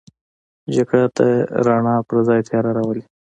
جګړه د رڼا پر ځای تیاره راولي